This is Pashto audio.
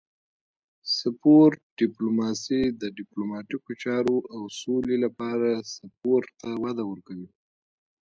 سپورت ډیپلوماسي د ډیپلوماتیکو چارو او سولې لپاره سپورت ته وده ورکوي